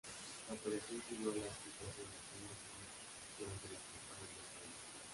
La operación siguió a la exitosa invasión de Sicilia durante la Campaña de Italia.